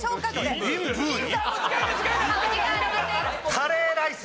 カレーライス。